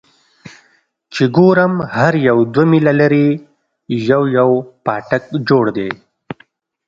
چې ګورم هر يو دوه ميله لرې يو يو پاټک جوړ دى.